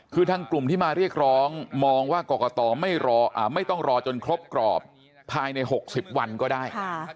คือทางกลุ่มที่มาเรียกร้องมองว่ากรกตไม่ต้องรอจนครบกรอบภายใน๖๐วันก็ได้